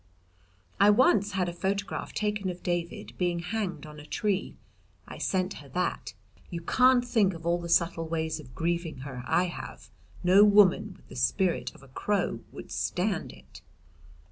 I once had a photograph taken of David being hanged on a tree. I sent her that. You can't think of all the subtle ways of grieving her I have. No woman with the spirit of a crow would stand it.